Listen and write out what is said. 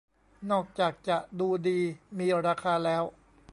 นอกจากจะดูดีมีราคาแล้ว